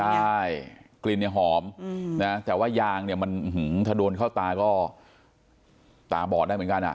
ใช่กลิ่นเนี่ยหอมนะแต่ว่ายางเนี่ยมันถ้าโดนเข้าตาก็ตาบอดได้เหมือนกันอ่ะ